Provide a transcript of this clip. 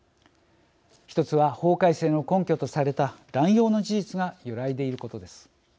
１つは、法改正の根拠とされた濫用の事実が揺らいでいることです。